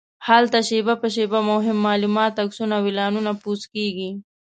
هلته شېبه په شېبه مهم معلومات، عکسونه او اعلانونه پوسټ کېږي.